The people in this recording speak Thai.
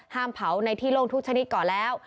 เผาในที่โล่งทุกชนิดก่อนแล้ว